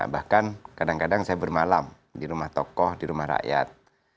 bahkan kadang kadang saya bermalam di rumah tokoh di rumah rakyat